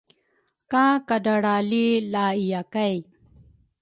Ka kadralra li la iya kay